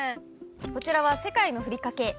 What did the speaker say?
こちらは世界のふりかけ。